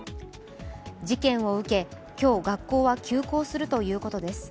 事件を受け、今日、学校は休校するということです。